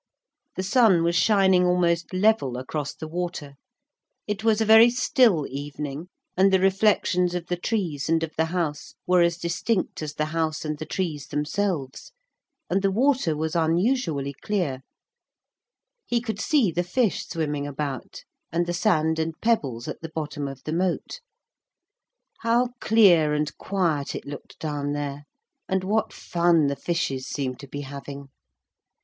The sun was shining almost level across the water. It was a very still evening, and the reflections of the trees and of the house were as distinct as the house and the trees themselves. And the water was unusually clear. He could see the fish swimming about, and the sand and pebbles at the bottom of the moat. How clear and quiet it looked down there, and what fun the fishes seemed to be having.